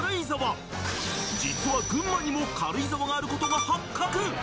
実は群馬にも軽井沢があることが発覚！